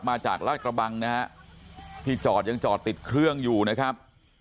มาจากลาดกระบังนะฮะที่จอดยังจอดติดเครื่องอยู่นะครับ